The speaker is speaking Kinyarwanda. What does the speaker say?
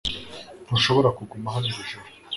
Ntushobora kuguma hano iri joro.